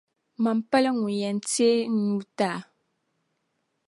Mani pala ŋun yɛn teei n nuu ti a.